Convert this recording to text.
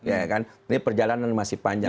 ini perjalanan masih panjang